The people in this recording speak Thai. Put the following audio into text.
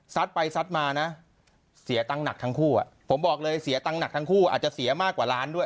ไปซัดมานะเสียตังค์หนักทั้งคู่อ่ะผมบอกเลยเสียตังค์หนักทั้งคู่อาจจะเสียมากกว่าล้านด้วย